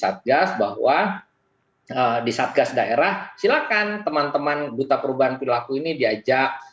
satgas bahwa di satgas daerah silakan teman teman duta perubahan perilaku ini diajak